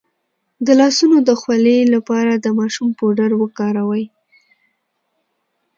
د لاسونو د خولې لپاره د ماشوم پوډر وکاروئ